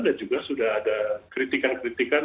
dan juga sudah ada kritikan kritikan